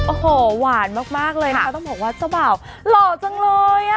โอ้โหหวานมากเลยนะคะต้องบอกว่าเจ้าบ่าวหล่อจังเลยอ่ะ